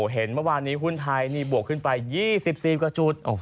เห็นเมื่อวานนี้หุ้นไทยนี่บวกขึ้นไป๒๔กว่าจุด